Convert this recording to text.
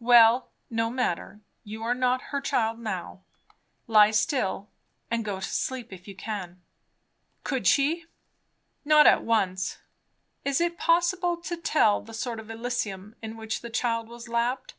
"Well, no matter; you are not her child now. Lie still, and go to sleep if you can." Could she? Not at once. Is it possible to tell the sort of Elysium in which the child was lapped?